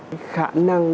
cái khả năng